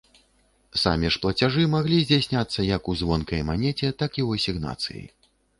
Самі ж плацяжы маглі здзяйсняцца як у звонкай манеце, так і ў асігнацыі.